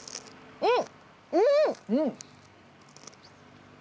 うん！